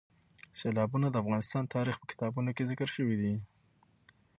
سیلابونه د افغان تاریخ په کتابونو کې ذکر شوي دي.